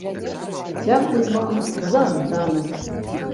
Дзякуй вам за адданасць!